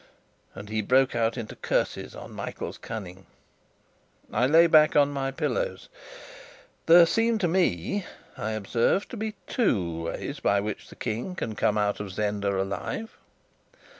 and he broke out into curses on Michael's cunning. I lay back on my pillows. "There seems to me," I observed, "to be two ways by which the King can come out of Zenda alive.